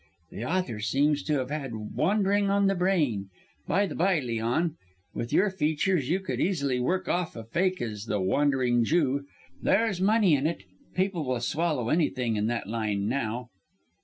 The author seems to have had wandering on the brain. By the bye, Leon, with your features you could easily work off a fake as 'the Wandering Jew.' There's money in it people will swallow anything in that line now."